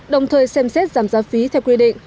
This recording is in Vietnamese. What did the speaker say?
đồng thời xem xét giảm giá phí theo quy định